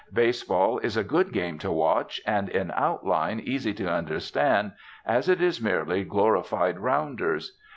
Baseball is a good game to watch, and in outline easy to understand, as it is merely glorified rounders.